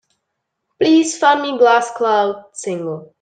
Please find me Glass Cloud – Single.